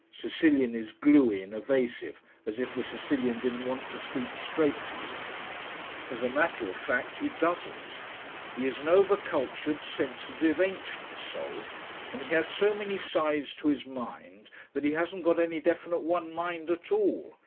Sicilian is gluey and evasive, as if the Sicilian didn't want to speak straight to you. As a matter of fact, he doesn't. He is an over cultured, sensitive, ancient soul, and he has so many sides to his mind that he hasn't got any definite one mind at all.